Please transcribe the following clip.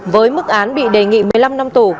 với mức án bị đề nghị một mươi năm năm tù